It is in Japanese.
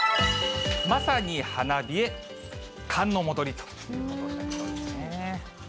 まさに花冷え、寒の戻りということになりそうですね。